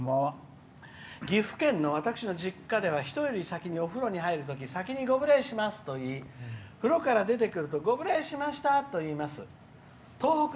岐阜県の私の実家では人より先にお風呂に入ったら先にご無礼しますと言い風呂から出てくるとご無礼しましたといいます。